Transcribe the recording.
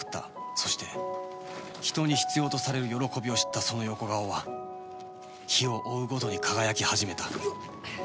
そして人に必要とされる喜びを知ったその横顔は日を追うごとに輝き始めた